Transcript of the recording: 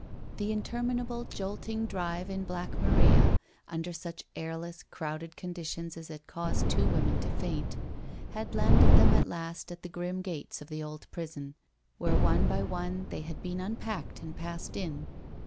The interminable jolting drive in Black Maria, under such airless, crowded conditions as had caused two women to faint, had landed them at last at the grim gates of the old prison, where one by one they had been unpacked and passed in.